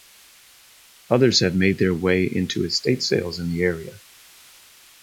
Others have made their way into estate sales in the area.